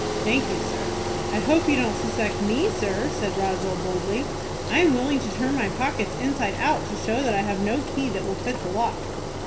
"Thank you, sir." "I hope you don't suspect me, sir," said Roswell, boldly. "I am willing to turn my pockets inside out, to show that I have no key that will fit the lock."